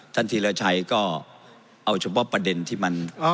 ธีรชัยก็เอาเฉพาะประเด็นที่มัน